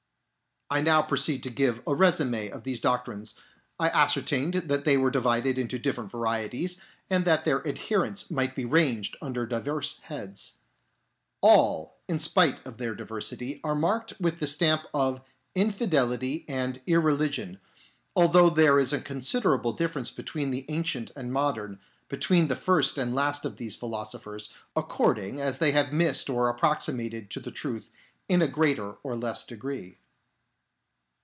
I now proceed to give a resume of these doctrines. I ascertained that they were divided [^ into different varieties, and that their adherents might be ranged under diverse heads. All, in spite of their diversity, are marked with" the stamp of infidelity and irreligion, although there is a considerable difference between the ancient and modern, between the first and last of these philosophers, according as they have missed or approximated to the truth in a greater or less degree.